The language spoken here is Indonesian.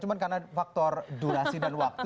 cuma karena faktor durasi dan waktu